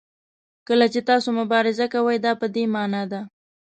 کله چې تاسو مبارزه کوئ دا په دې معنا ده.